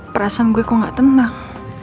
perasaan gue kok gak tenang